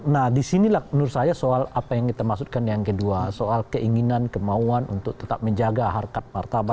nah disinilah menurut saya soal apa yang kita maksudkan yang kedua soal keinginan kemauan untuk tetap menjaga harkat martabat